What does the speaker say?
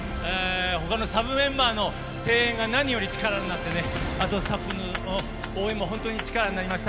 ほかのサブメンバーの声援が何より力になってね、あとスタッフの応援も本当に力になりました。